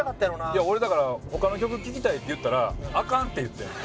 いや俺だから「他の曲聴きたい」って言ったら「アカン！」って言ってんもん。